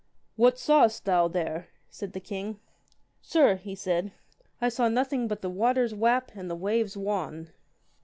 What sawest thou there? said the king. Sir, he said, I saw nothing but the waters wap and the waves wan.